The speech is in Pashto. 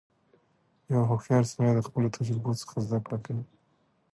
• یو هوښیار سړی د خپلو تجربو څخه زدهکړه کوي.